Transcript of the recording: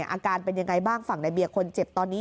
อาการเป็นยังไงบ้างฝั่งในเบียร์คนเจ็บตอนนี้